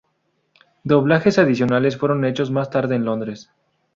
Doblajes adicionales fueron hechos más tarde en Londres.